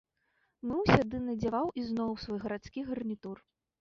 Мыўся ды надзяваў ізноў свой гарадскі гарнітур.